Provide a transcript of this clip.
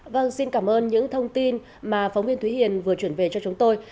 vâng xin cảm ơn những thông tin mà phóng viên thúy hiền vừa chuyển về cho chúng tôi